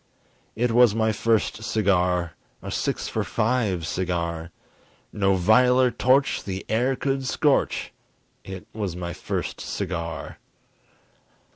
It was my first cigar! A six for five cigar! No viler torch the air could scorch It was my first cigar!